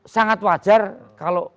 sangat wajar kalau